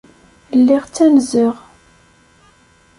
Lliɣ ttanzeɣ.